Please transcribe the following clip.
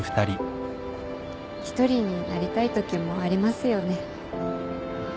一人になりたいときもありますよね。